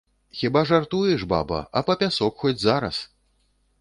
Хіба жартуеш баба, а па пясок хоць зараз.